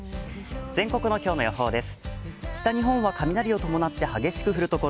全国の今日の予報です。